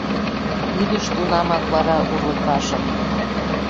Ӱдыш тунамак вара урлыкашым: